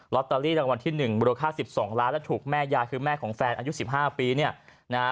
ล็อตเตอรี่รางวัลที่หนึ่งมูลค่าสิบสองล้านแล้วถูกแม่ยาคือแม่ของแฟนอายุสิบห้าปีเนี่ยนะฮะ